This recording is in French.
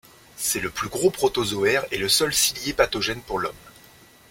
C'est le plus gros protozoaire et le seul cilié pathogène pour l'homme.